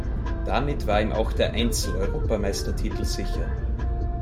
Damit war ihm auch der Einzel-Europameistertitel sicher.